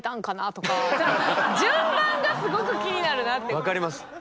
分かります！